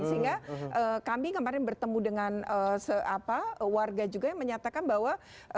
sehingga kami kemarin bertemu dengan warga juga yang menyatakan bahwa